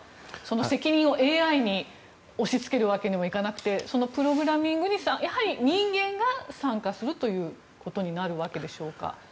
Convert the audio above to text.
責任をＡＩに押しつけるわけにはいかなくてプログラミングにやはり人間が参加するということになるんでしょうか。